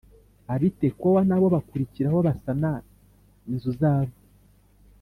Ab’i Tekowa na bo bakurikiraho basana inzu zabo